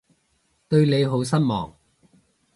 對你好失望